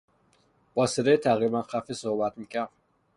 با صدای تقریبا خفه صحبت میکرد.